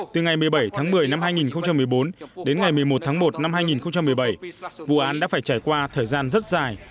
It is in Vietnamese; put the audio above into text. từ ngày một mươi bảy tháng một mươi năm hai nghìn một mươi bốn đến ngày một mươi một tháng một năm hai nghìn một mươi bảy vụ án đã phải trải qua thời gian rất dài